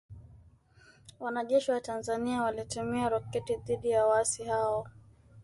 Wnajeshi wa Tanzania walitumia roketi dhidi ya waasi hao